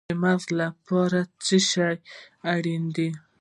د مغز لپاره څه شی اړین دی؟